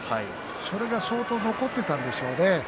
それが相当残っていたんでしょうね。